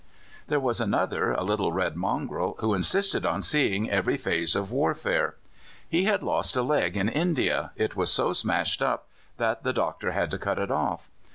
There was another, a little red mongrel, who insisted on seeing every phase of warfare; he had lost a leg in India it was so smashed up that the doctor had to cut it off.